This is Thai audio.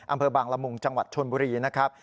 อำเภอบางละมุงจังหวัดชนบุรีนะครับ